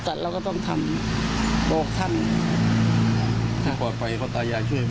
จัดแล้วก็ต้องทำโปธรรรณถ้าปลอดภัยก็ตายายช่วย